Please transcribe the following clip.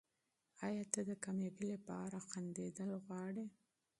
ایا ته د کامیابۍ لپاره خندېدل غواړې؟